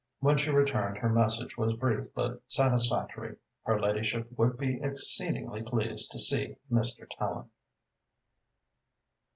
When she returned, her message was brief but satisfactory. Her ladyship would be exceedingly pleased to see Mr. Tallente.